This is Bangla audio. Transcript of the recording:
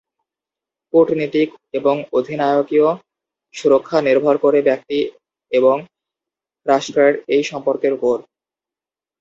কূটনীতিক এবং অধিনায়কীয় সুরক্ষা নির্ভর করে ব্যক্তি এবং রাষ্ট্রের এই সম্পর্কের উপর।